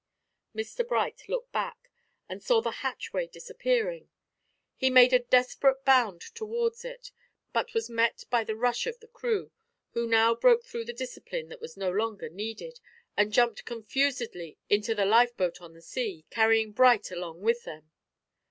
Mr Bright looked back and saw the hatchway disappearing. He made a desperate bound towards it, but was met by the rush of the crew, who now broke through the discipline that was no longer needed, and jumped confusedly into the lifeboat on the sea, carrying Bright along with them.